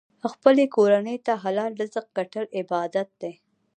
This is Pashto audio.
خپلې کورنۍ ته حلال رزق ګټل عبادت دی.